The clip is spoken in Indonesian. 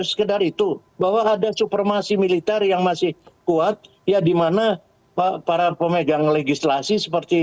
sekedar itu bahwa ada supermasi militer yang masih kuat ya dimana para pemegang legislasi seperti